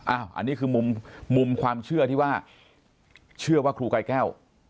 อันนี้คือมุมความเชื่อที่ว่าเชื่อว่าครูกายแก้ว